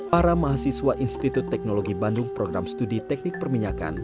para mahasiswa institut teknologi bandung program studi teknik perminyakan